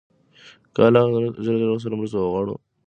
که له الله ج سره مرسته وغواړو، نو ټولنیز مثبت بدلون ګورﻱ.